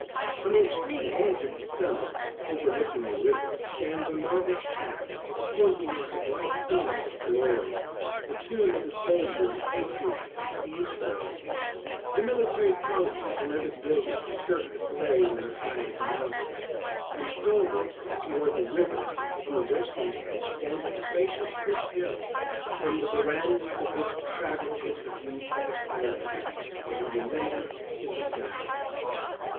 On the extreme edge of the summit, overlooking the river, stands a marble shaft, pointing like a bright finger to glory, the tomb of the soldier and patriot Kosciusko. The military colleges and other buildings skirt the parade on the side of the mountain; and forward, toward the river, on the western edge, stands a spacious hotel, from the verandahs of which the traveller gets a view through the highlands, that he remembers till he dies.